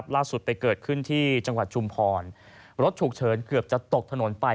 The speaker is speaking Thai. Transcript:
ล่าสุดไปเกิดขึ้นที่จังหวัดชุมพรรถฉุกเฉินเกือบจะตกถนนไป